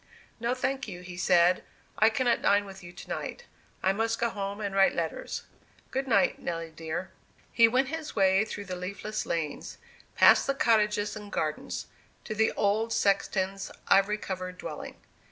"No, thank you," he said; "I cannot dine with you to night; I must go home and write letters. Good night, Nelly dear." He went his way through the leafless lanes, past the cottages and gardens, to the old sexton's ivy covered dwelling.